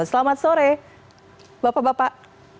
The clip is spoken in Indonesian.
selamat sore bapak bapak